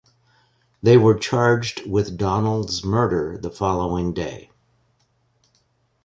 They were charged with Donald's murder the following day.